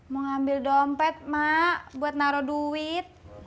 mau ambil dompet mak buat naro duit